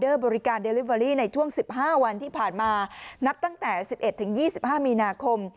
เมื่อบริการเดลิเวอรี่ในช่วงสิบห้าวันที่ผ่านมานับตั้งแต่สิบเอ็ดถึงยี่สิบห้ามีนาคม